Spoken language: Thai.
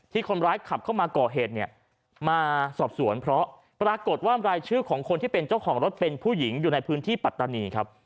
คนร้ายขับเข้ามาก่อเหตุเนี่ยมาสอบสวนเพราะปรากฏว่ารายชื่อของคนที่เป็นเจ้าของรถเป็นผู้หญิงอยู่ในพื้นที่ปัตตานีครับ